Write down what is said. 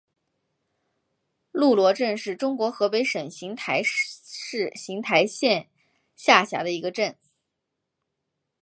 路罗镇是中国河北省邢台市邢台县下辖的一个镇。